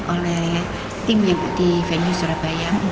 oleh tim yang di venue surabaya